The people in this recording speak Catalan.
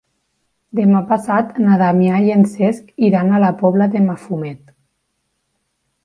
Demà passat na Damià i en Cesc iran a la Pobla de Mafumet.